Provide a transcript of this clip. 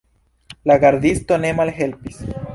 La gardisto ne malhelpis.